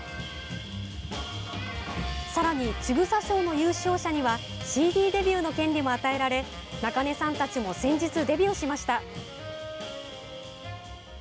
さらにちぐさ賞の優勝者にはＣＤデビューの権利も与えられ中根さんたちも先日デビューしました。